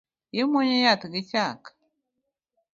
Imuonyo yath gi chak